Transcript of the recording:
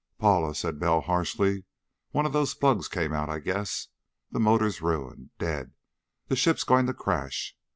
"Paula," said Bell harshly, "one of those plugs came out, I guess. The motor's ruined. Dead. The ship's going to crash.